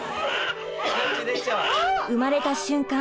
産まれた瞬間